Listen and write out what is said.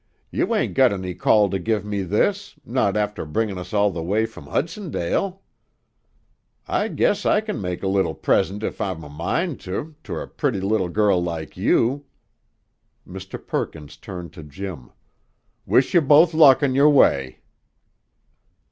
"You ain't got any call to give me this, not after bringin' us all the way from Hudsondale." "I guess I can make a little present if I'm a mind ter, ter a pretty little girl like you." Mr. Perkins turned to Jim. "Wish yer both luck on your way."